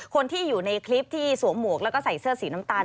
คนที่อยู่ในคลิปที่สวมหมวกแล้วก็ใส่เสื้อสีน้ำตาล